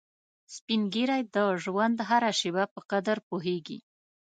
سپین ږیری د ژوند هره شېبه په قدر پوهیږي